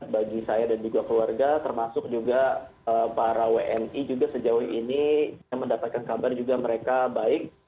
bagi saya dan juga keluarga termasuk juga para wni juga sejauh ini yang mendapatkan kabar juga mereka baik